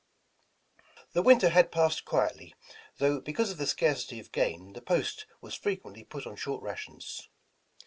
THE winter had passed quietly, though because of the scarcity of game the post was frequently put on short rations.